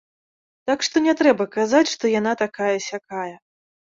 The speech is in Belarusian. Так што не трэба казаць, што яна такая-сякая.